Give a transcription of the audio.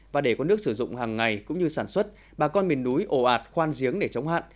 và để có nước sử dụng hàng ngày cũng như sản xuất bà con miền núi ổ ạt khoan giếng để chống hạn